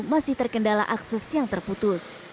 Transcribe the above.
masih terkendala akses yang terputus